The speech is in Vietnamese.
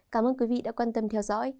cảm ơn quý vị đã quan tâm theo dõi